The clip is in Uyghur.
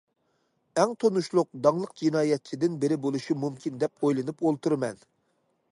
ئەڭ تونۇشلۇق، داڭلىق جىنايەتچىدىن بىرى بولۇشى مۇمكىن دەپ ئويلىنىپ ئولتۇرىمەن.